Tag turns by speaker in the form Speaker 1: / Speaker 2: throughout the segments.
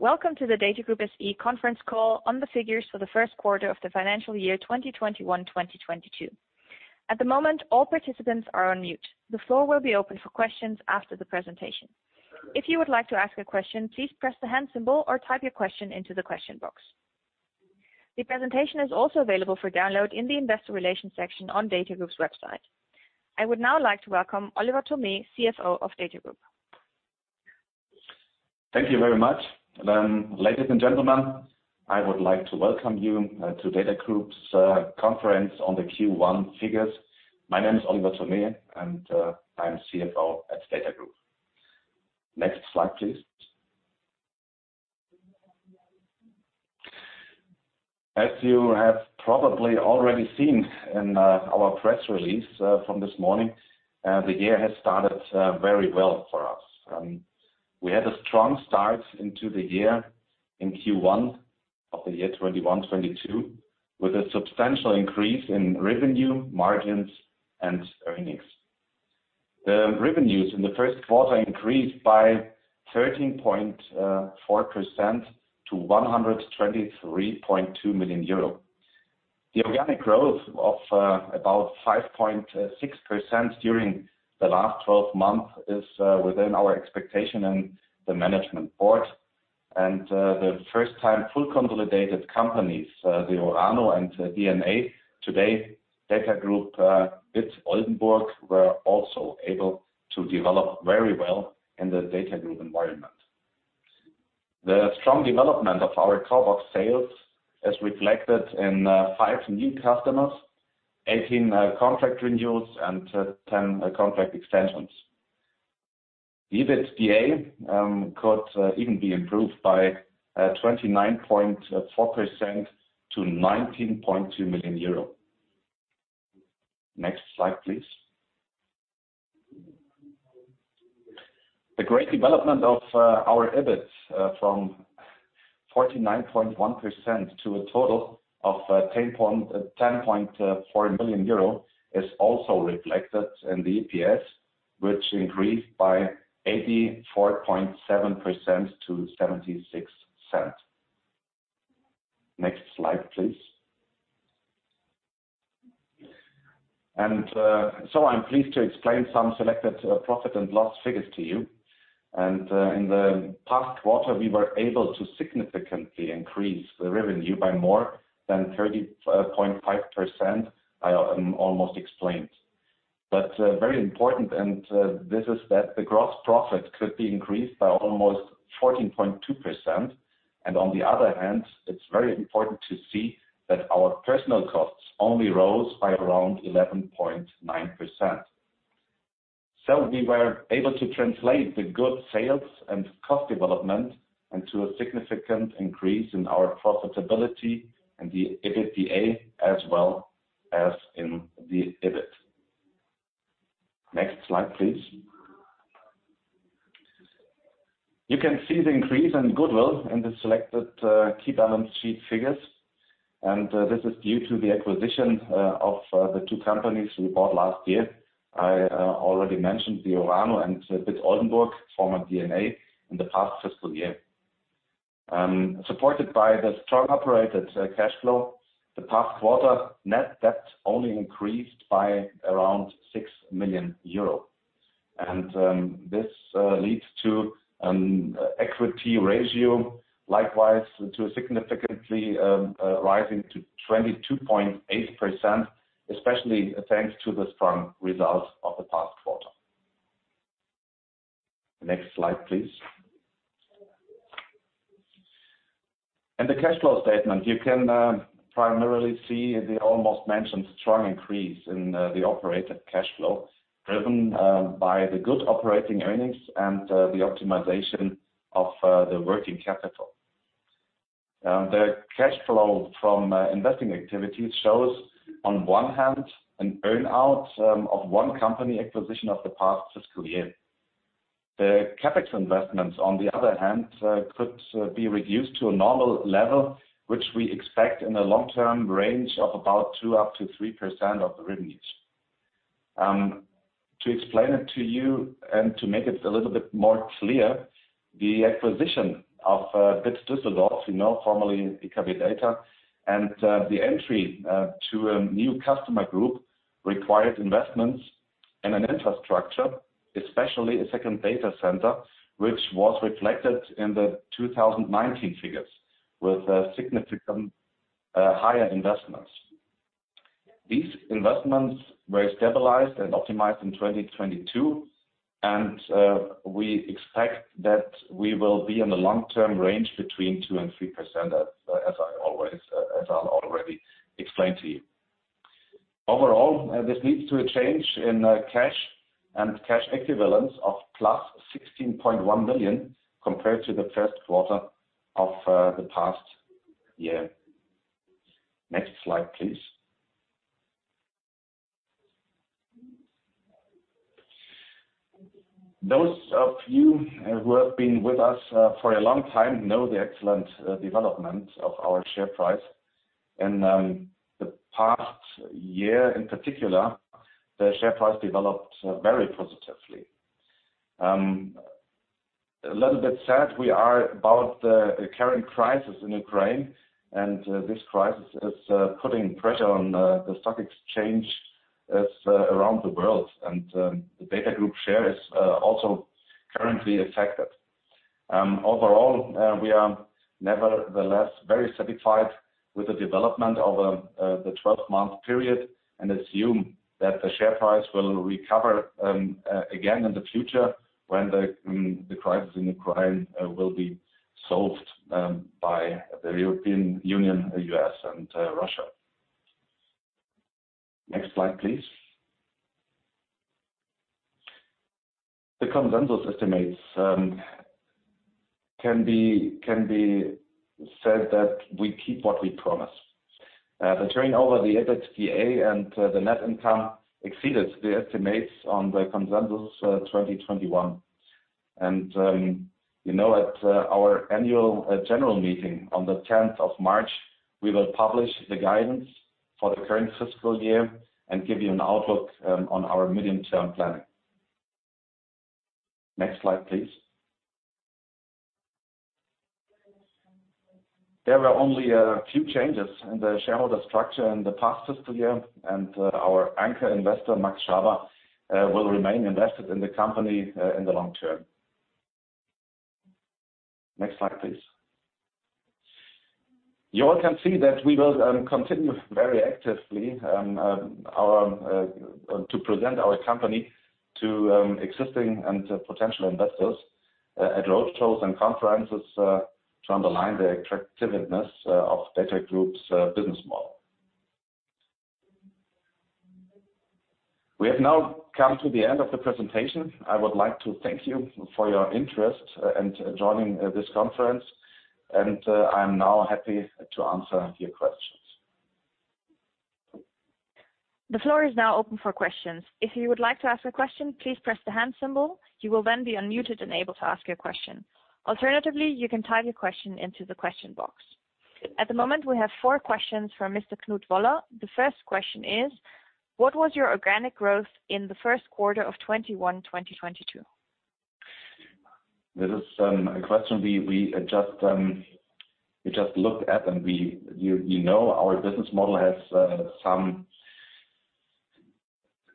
Speaker 1: Welcome to the DATAGROUP SE conference call on the figures for the Q1 of the financial year 2021/2022. At the moment, all participants are on mute. The floor will be open for questions after the presentation. If you would like to ask a question, please press the hand symbol or type your question into the question box. The presentation is also available for download in the Investor Relations section on DATAGROUP's website. I would now like to welcome Oliver Thome, CFO of DATAGROUP SE.
Speaker 2: Thank you very much. Ladies and gentlemen, I would like to welcome you to DATAGROUP's conference on the Q1 figures. My name is Oliver Thome, and I'm CFO at DATAGROUP. Next slide, please. As you have probably already seen in our press release from this morning, the year has started very well for us. We had a strong start into the year in Q1 of the year 2021/2022, with a substantial increase in revenue, margins, and earnings. The revenues in the Q1 increased by 13.4% to 123.2 million euro. The organic growth of about 5.6% during the last 12 months is within our expectation and the management board. For the first time, fully consolidated companies, the URANO and dna. Today, DATAGROUP BIT Oldenburg, were also able to develop very well in the DATAGROUP environment. The strong development of our CORBOX sales is reflected in five new customers, 18 contract renewals and 10 contract extensions. The EBITDA could even be improved by 29.4% to 19.2 million euro. Next slide, please. The great development of our EBIT from 4.9 million to a total of 10.4 million euro is also reflected in the EPS, which increased by 84.7% to 0.76. Next slide, please. I'm pleased to explain some selected profit and loss figures to you. In the past quarter, we were able to significantly increase the revenue by more than 30.5%. I almost explained. Very important, this is that the gross profit could be increased by almost 14.2%. On the other hand, it's very important to see that our personnel costs only rose by around 11.9%. We were able to translate the good sales and cost development into a significant increase in our profitability and the EBITDA, as well as in the EBIT. Next slide, please. You can see the increase in goodwill in the selected key balance sheet figures, and this is due to the acquisition of the two companies we bought last year. I already mentioned the URANO and BIT Oldenburg, former DNA, in the past fiscal year. Supported by the strong operating cash flow, the past quarter net debt only increased by around 6 million euro. This leads to equity ratio, likewise, to significantly rising to 22.8%, especially thanks to the strong results of the past quarter. Next slide, please. In the cash flow statement, you can primarily see the as mentioned strong increase in the operating cash flow, driven by the good operating earnings and the optimization of the working capital. The cash flow from investing activities shows, on one hand, an earn-out of one company acquisition of the past fiscal year. The CapEx investments, on the other hand, could be reduced to a normal level, which we expect in the long term range of about 2%-3% of the revenues. To explain it to you and to make it a little bit more clear, the acquisition of BIT Düsseldorf, you know, formerly IKB Data, and the entry to a new customer group required investments in an infrastructure, especially a second data center, which was reflected in the 2019 figures with significant higher investments. These investments were stabilized and optimized in 2022, and we expect that we will be in the long term range between 2% and 3%, as I already explained to you. Overall, this leads to a change in cash and cash equivalents of +16.1 million compared to the Q1 of the past year. Next slide, please. Those of you who have been with us for a long time know the excellent development of our share price. In the past year, in particular, the share price developed very positively. A little bit sad we are about the current crisis in Ukraine, and this crisis is putting pressure on the stock exchange around the world. The DATAGROUP share is also currently affected. Overall, we are nevertheless very satisfied with the development over the 12-month period, and assume that the share price will recover again in the future when the crisis in Ukraine will be solved by the European Union, the U.S. and Russia. Next slide, please. The consensus estimates can be said that we keep what we promised. The turnover, the EBITDA, and the net income exceeded the estimates on the consensus 2021. You know, at our annual general meeting on the 10th of March, we will publish the guidance for the current fiscal year and give you an outlook on our medium-term planning. Next slide, please. There were only a few changes in the shareholder structure in the past fiscal year, and our anchor investor, Max H.-H. Schaber, will remain invested in the company in the long term. Next slide, please. You all can see that we will continue very actively to present our company to existing and potential investors at roadshows and conferences to underline the attractiveness of DATAGROUP's business model. We have now come to the end of the presentation. I would like to thank you for your interest and joining this conference, and I'm now happy to answer your questions.
Speaker 1: The floor is now open for questions. If you would like to ask a question, please press the hand symbol. You will then be unmuted and able to ask your question. Alternatively, you can type your question into the question box. At the moment, we have four questions from Mr. Knut Woller. The first question is: What was your organic growth in the Q1 of 21/22?
Speaker 2: This is a question we just looked at, and you know, our business model has some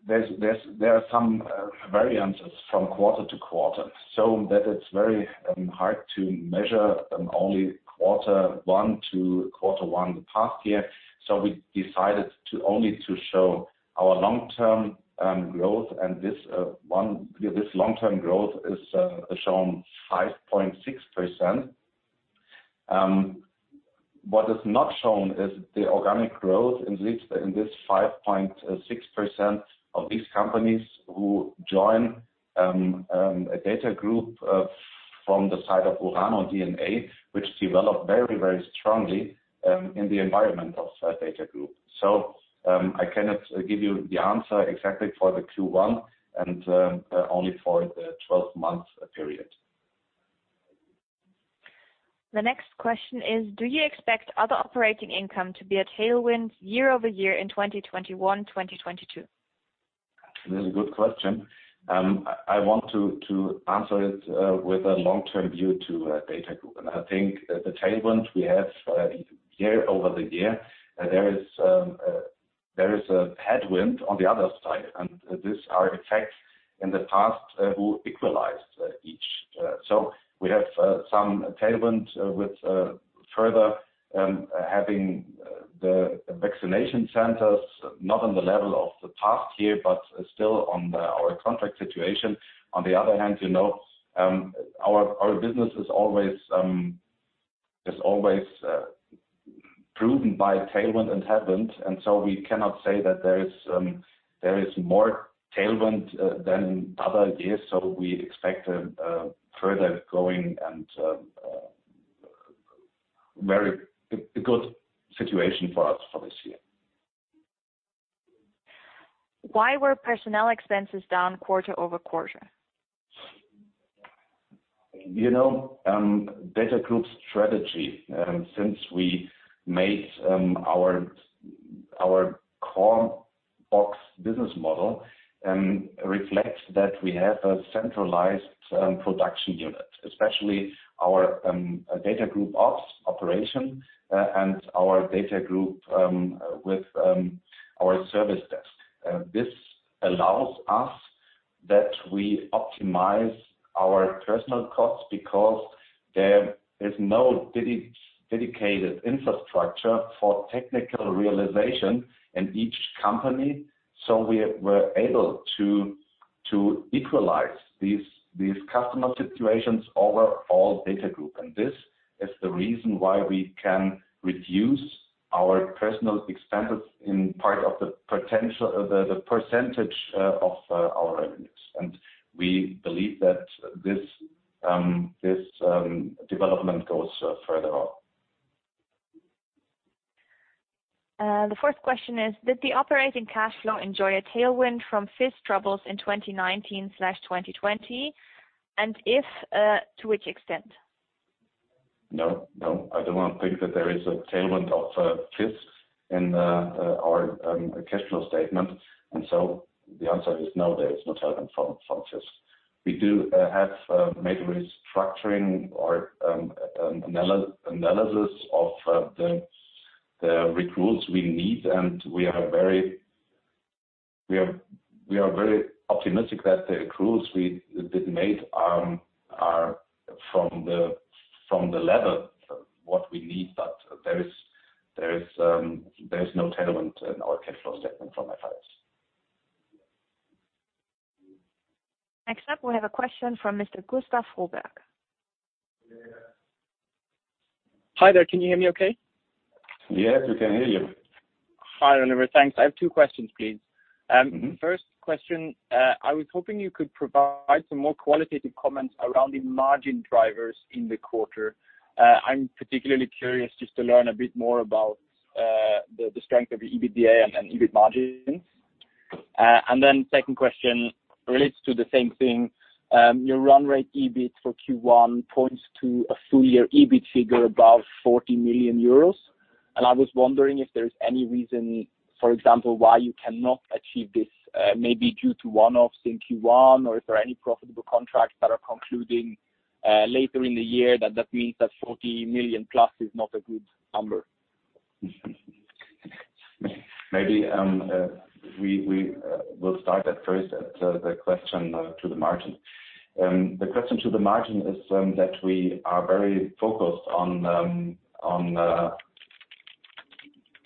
Speaker 2: variances from quarter-to-quarter, so that it's very hard to measure only quarter one to quarter one the past year. We decided to only show our long-term growth. This long-term growth is shown 5.6%. What is not shown is the organic growth in this 5.6% of these companies who join DATAGROUP from the side of URANO dna, which developed very, very strongly in the environment of DATAGROUP. I cannot give you the answer exactly for the Q1 and only for the 12-month period.
Speaker 1: The next question is: Do you expect other operating income to be a tailwind year-over-year in 2021, 2022?
Speaker 2: That is a good question. I want to answer it with a long-term view to DATAGROUP. I think the tailwind we have year-over-year. There is a headwind on the other side, and these are effects in the past who equalized each. We have some tailwind with further having the vaccination centers, not on the level of the past year, but still on our contract situation. On the other hand, you know, our business is always proven by tailwind and headwind, and we cannot say that there is more tailwind than other years. We expect a further growing and very good situation for us for this year.
Speaker 1: Why were personnel expenses down quarter-over-quarter?
Speaker 2: You know, DATAGROUP's strategy, since we made our CORBOX business model, reflects that we have a centralized production unit, especially our DATAGROUP Operations, and our DATAGROUP with our service desk. This allows us that we optimize our personnel costs because there is no dedicated infrastructure for technical realization in each company. We were able to equalize these customer situations over all DATAGROUP. This is the reason why we can reduce our personnel expenses as a percentage of our revenues. We believe that this development goes further on.
Speaker 1: The fourth question is: Did the operating cash flow enjoy a tailwind from FIS troubles in 2019/2020? And if, to which extent?
Speaker 2: No, I do not think that there is a tailwind of this in our cash flow statement. The answer is no, there is no tailwind from this. We do have major restructuring or analysis of the recruits we need, and we are very optimistic that the accruals we did made are from the level of what we need, but there is no tailwind in our cash flow statement from FIS.
Speaker 1: Next up, we have a question from Mr. Gustav Holberg.
Speaker 3: Hi there. Can you hear me okay?
Speaker 2: Yes, we can hear you.
Speaker 3: Hi, Oliver. Thanks. I have two questions, please.
Speaker 2: Mm-hmm.
Speaker 3: First question, I was hoping you could provide some more qualitative comments around the margin drivers in the quarter. I'm particularly curious just to learn a bit more about the strength of the EBITDA and EBIT margins. Second question relates to the same thing. Your run rate EBIT for Q1 points to a full year EBIT figure above 40 million euros. I was wondering if there is any reason, for example, why you cannot achieve this, maybe due to one-offs in Q1, or is there any profitable contracts that are concluding later in the year that means that 40 million+ is not a good number?
Speaker 2: Maybe we will start first at the question to the margin. The question to the margin is that we are very focused on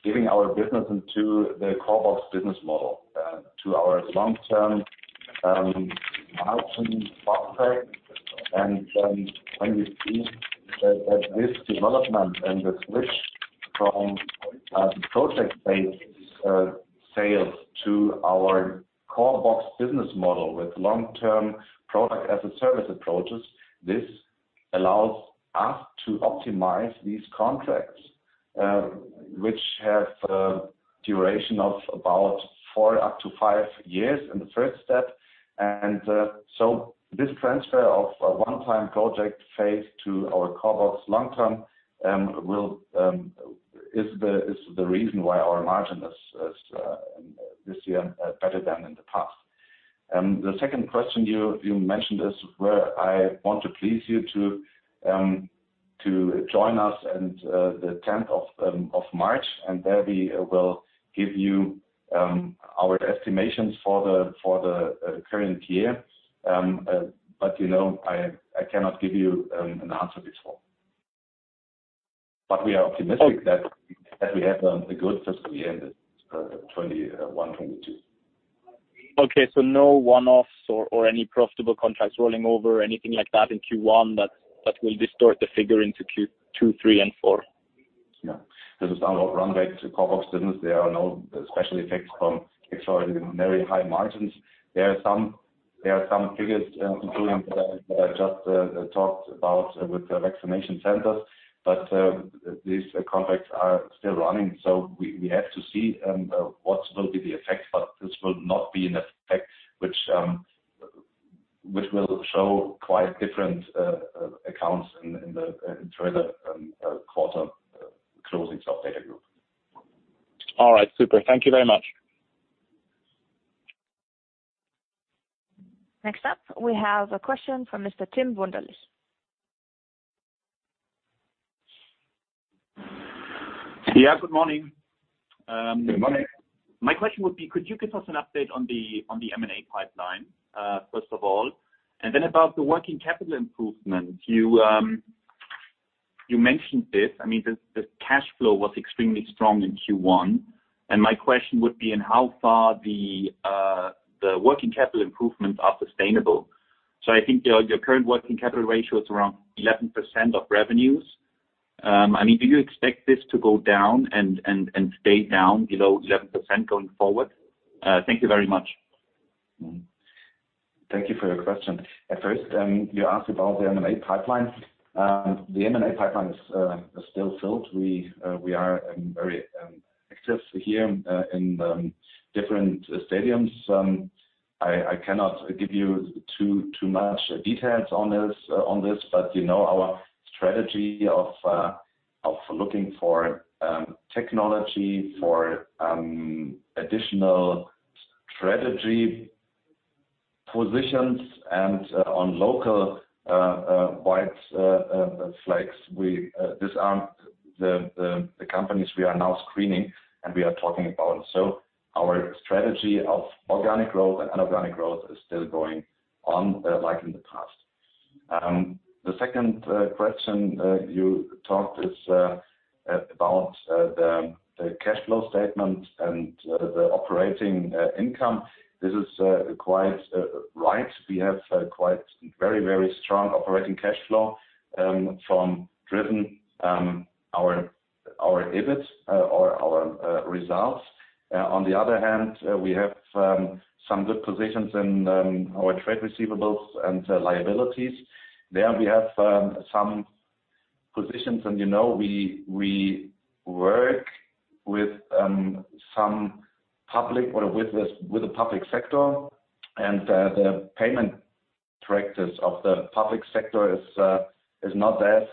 Speaker 2: giving our business into the CORBOX business model to our long-term margin contract. When we see that this development and the switch from the project-based sales to our CORBOX business model with long-term product as a service approaches, this allows us to optimize these contracts which have duration of about four-five years in the first step. This transfer of a one-time project phase to our CORBOX long-term is the reason why our margin is this year better than in the past. The second question you mentioned is where I want to invite you to join us and the 10th of March, and there we will give you our estimations for the current year. You know, I cannot give you an answer before. We are optimistic that we have a good H1 of the year 2021/22.
Speaker 3: Okay. No one-offs or any profitable contracts rolling over, anything like that in Q1 that will distort the figure into Q2, three and four?
Speaker 2: Yeah. This is our run rate to CORBOX business. There are no special effects from extraordinarily high margins. There are some figures, including that I just talked about with the vaccination centers, but these contracts are still running, so we have to see what will be the effect. This will not be an effect which will show quite different accounts during the quarter closings of DATAGROUP.
Speaker 3: All right. Super. Thank you very much.
Speaker 1: Next up, we have a question from Mr. Tim Wunderlich.
Speaker 4: Yeah. Good morning.
Speaker 2: Good morning.
Speaker 4: My question would be, could you give us an update on the M&A pipeline, first of all, and then about the working capital improvement. You mentioned this. I mean, the cash flow was extremely strong in Q1. My question would be in how far the working capital improvements are sustainable. I think your current working capital ratio is around 11% of revenues. I mean, do you expect this to go down and stay down below 11% going forward? Thank you very much.
Speaker 2: Thank you for your question. At first, you asked about the M&A pipeline. The M&A pipeline is still filled. We are very active here in different segments. I cannot give you too much details on this, but you know, our strategy of looking for technology for additional strategy positions and on local white flags. These aren't the companies we are now screening and we are talking about. Our strategy of organic growth and inorganic growth is still going on like in the past. The second question you talked about is about the cash flow statement and the operating income. This is quite right. We have very strong operating cash flow driven by our EBIT or our results. On the other hand, we have some good positions in our trade receivables and liabilities. There we have some positions and, you know, we work with the public sector and the payment terms of the public sector is not as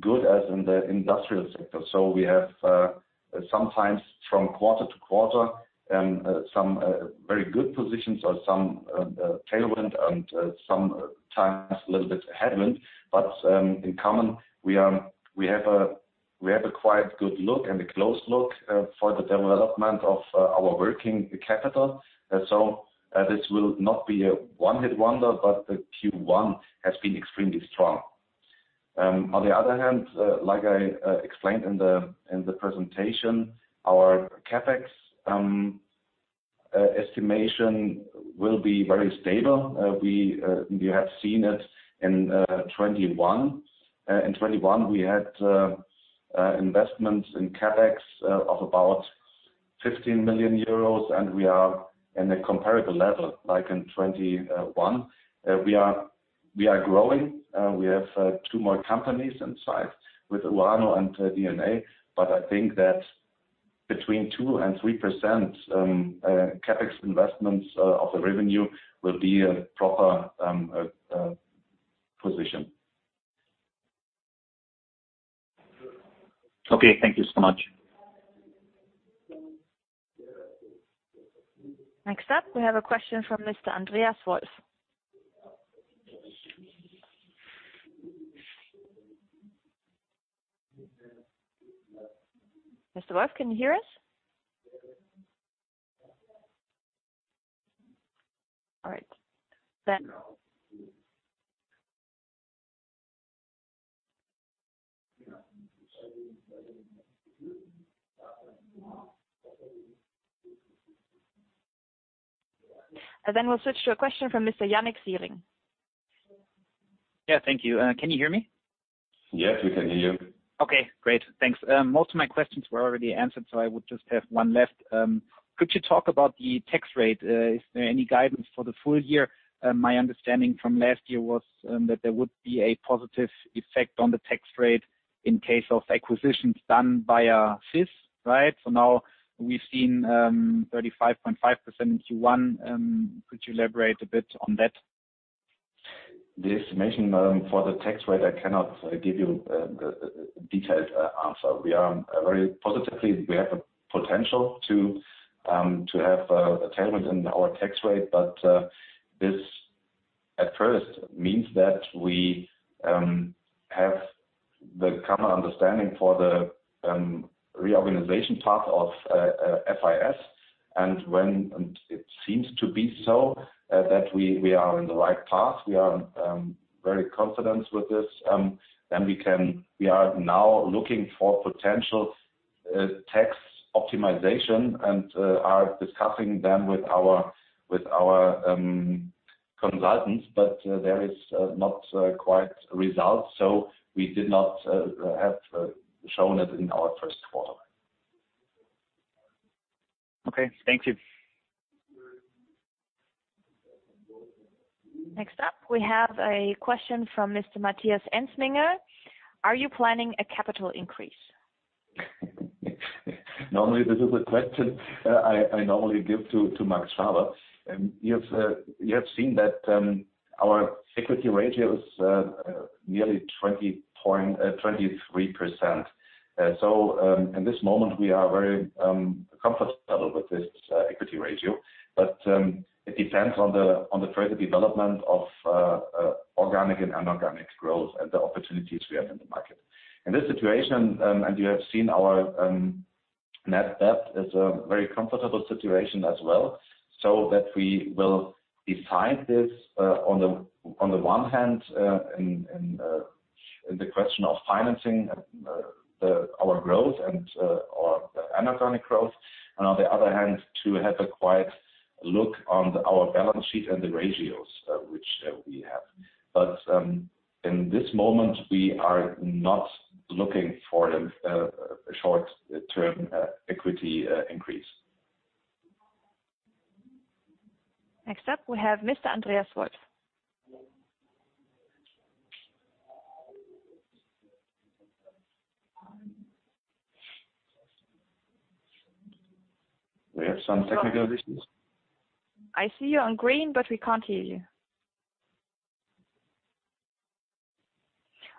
Speaker 2: good as in the industrial sector. We have sometimes from quarter-to-quarter some very good positions or some tailwind and sometimes a little bit of headwind. Overall, we have a quite good look and a close look for the development of our working capital. This will not be a one-hit wonder, but the Q1 has been extremely strong. On the other hand, like I explained in the presentation, our CapEx estimation will be very stable. You have seen it in 2021. In 2021, we had investments in CapEx of about 15 million euros, and we are in a comparable level like in 2021. We are growing. We have two more companies inside with URANO and dna. But I think that between 2% and 3%, CapEx investments of the revenue will be a proper position.
Speaker 4: Okay, thank you so much.
Speaker 1: Next up, we have a question from Mr. Andreas Wolf. Mr. Wolf, can you hear us? All right. We'll switch to a question from Mr. Jannik Sieling.
Speaker 5: Yeah, thank you. Can you hear me?
Speaker 2: Yes, we can hear you.
Speaker 5: Okay, great. Thanks. Most of my questions were already answered, so I would just have one left. Could you talk about the tax rate? Is there any guidance for the full year? My understanding from last year was that there would be a positive effect on the tax rate in case of acquisitions done via FIS, right? For now, we've seen 35.5% in Q1. Could you elaborate a bit on that?
Speaker 2: The estimation for the tax rate, I cannot give you the detailed answer. We have a potential to have a tailwind in our tax rate. This at first means that we have the common understanding for the reorganization part of FIS. It seems to be so that we are on the right path. We are very confident with this. We are now looking for potential tax optimization and are discussing them with our consultants, but there is not quite results. We did not have shown it in our Q1.
Speaker 5: Okay, thank you.
Speaker 1: Next up, we have a question from Mr. Matthias Ensminger. Are you planning a capital increase?
Speaker 2: Normally, this is a question I normally give to Max Schaber. You've seen that our equity ratio is nearly 23%. In this moment, we are very comfortable with this equity ratio. It depends on the further development of organic and inorganic growth and the opportunities we have in the market. In this situation, you have seen our net debt is a very comfortable situation as well, so we will decide this on the one hand in the question of financing our growth or the inorganic growth, and on the other hand, to have a quiet look on our balance sheet and the ratios which we have. In this moment, we are not looking for a short-term equity increase.
Speaker 1: Next up, we have Mr. Andreas Wolf.
Speaker 2: We have some technical issues.
Speaker 1: I see you on green, but we can't hear you.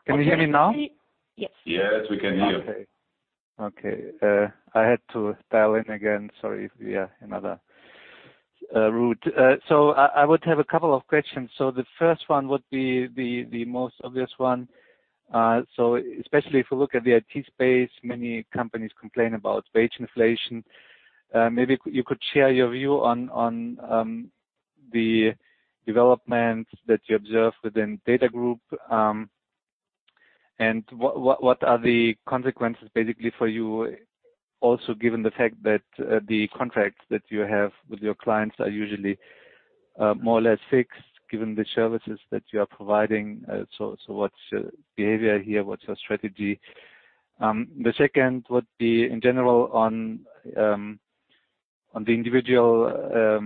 Speaker 6: Can you hear me now?
Speaker 1: Yes.
Speaker 2: Yes, we can hear you.
Speaker 6: I had to dial in again. Sorry. Via another route. I would have a couple of questions. The first one would be the most obvious one. Especially if you look at the IT space, many companies complain about wage inflation. Maybe you could share your view on the developments that you observed within DATAGROUP. What are the consequences basically for you also given the fact that the contracts that you have with your clients are usually more or less fixed given the services that you are providing? What's your behavior here? What's your strategy? The second would be in general on the individual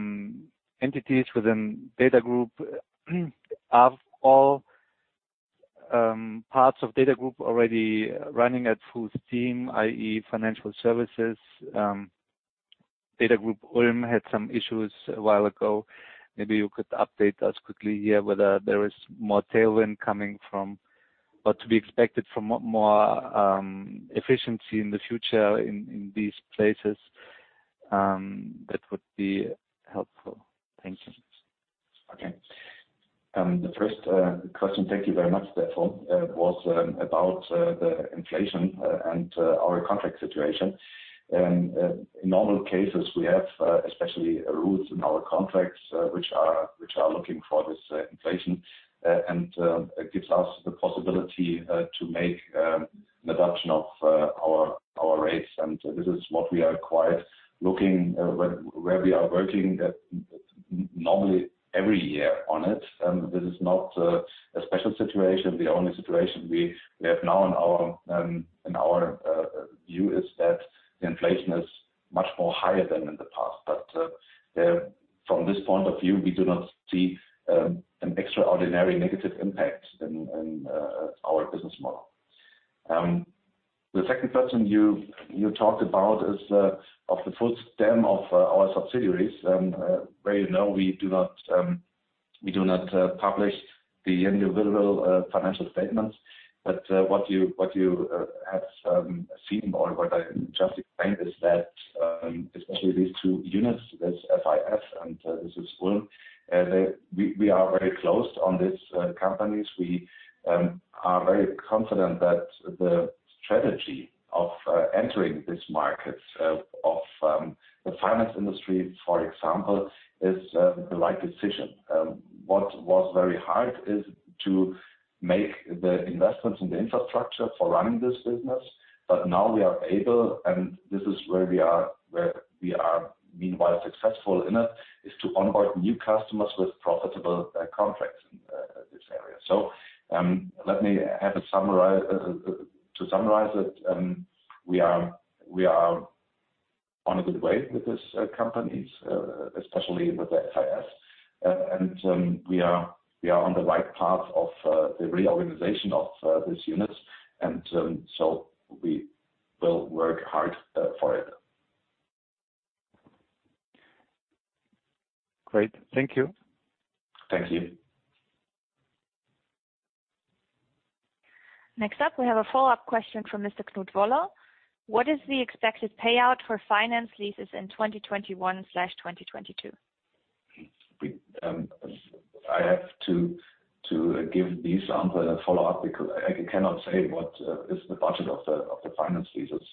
Speaker 6: entities within DATAGROUP of all parts of DATAGROUP already running at full steam, i.e., financial services. DATAGROUP Ulm had some issues a while ago. Maybe you could update us quickly here, whether there is more tailwind coming from what to be expected from more efficiency in the future in these places. That would be helpful. Thank you.
Speaker 2: Okay. The first question, thank you very much, Stefan, was about the inflation and our contract situation. In normal cases, we have especially rules in our contracts which are looking for this inflation, and it gives us the possibility to make an adjustment of our rates. This is what we are quite looking at where we are working normally every year on it. This is not a special situation. The only situation we have now in our view is that the inflation is much more higher than in the past. From this point of view, we do not see an extraordinary negative impact in our business model. The second question you talked about is of the full set of our subsidiaries and where you know we do not publish the individual financial statements. What you have seen or what I just explained is that especially these two units, this FIS and URANO, we are very close on these companies. We are very confident that the strategy of entering these markets of the finance industry, for example, is the right decision. What was very hard is to make the investments in the infrastructure for running this business. Now we are able and this is where we are meanwhile successful in it is to onboard new customers with profitable contracts in this area. To summarize it, we are on a good way with this companies, especially with the FIS. We are on the right path of the reorganization of this unit. We will work hard for it.
Speaker 6: Great. Thank you.
Speaker 2: Thank you.
Speaker 1: Next up, we have a follow-up question from Mr. Knut Woller. What is the expected payout for finance leases in 2021/2022?
Speaker 2: I have to give this answer a follow-up because I cannot say what is the budget of the finance leases.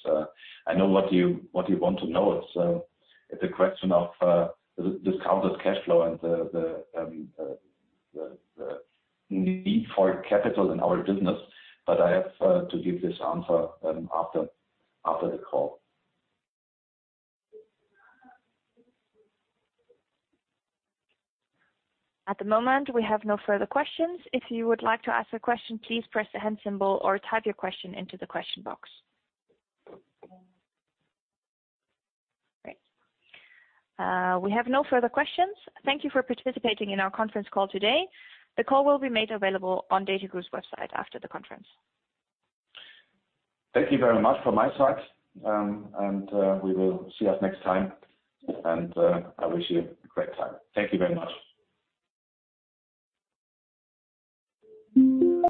Speaker 2: I know what you want to know is the question of discounted cash flow and the need for capital in our business, but I have to give this answer after the call.
Speaker 1: At the moment, we have no further questions. If you would like to ask a question, please press the hand symbol or type your question into the question box. Great. We have no further questions. Thank you for participating in our conference call today. The call will be made available on DATAGROUP's website after the conference.
Speaker 2: Thank you very much from my side. We will see you next time. I wish you a great time. Thank you very much.